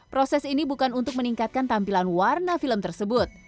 proses ini bukan untuk meningkatkan tampilan warna film tersebut